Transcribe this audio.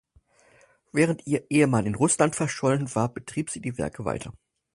Während ihr Ehemann in Russland verschollen war, betrieb sie die Werke weiter.